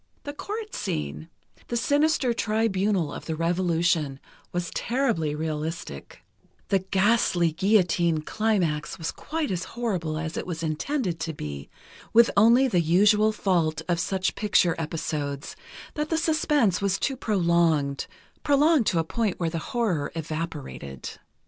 The court scene, the sinister tribunal of the Revolution, was terribly realistic; the ghastly guillotine climax was quite as horrible as it was intended to be, with only the usual fault of such picture episodes, that the suspense was too prolonged—prolonged to a point where the horror evaporated.